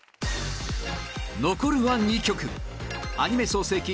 残るは２曲アニメ創成期